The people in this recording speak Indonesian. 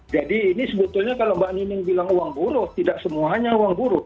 jadi ini sebetulnya kalau mbak nining bilang uang buruk tidak semuanya uang buruk